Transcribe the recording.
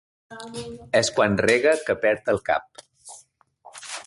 És quan rega que perd el cap.